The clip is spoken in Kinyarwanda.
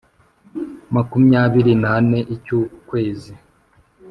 Makumyabiri n ane icy ukwezi